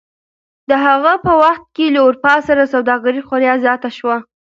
د هغه په وخت کې له اروپا سره سوداګري خورا زیاته شوه.